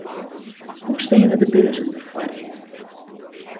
Hoe steane de beurzen derfoar?